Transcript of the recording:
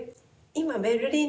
今。